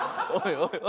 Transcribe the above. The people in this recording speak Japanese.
おい